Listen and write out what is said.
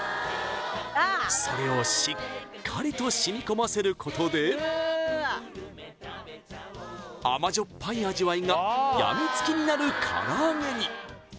それをしっかりと染み込ませることで甘じょっぱい味わいがやみつきになるからあげに！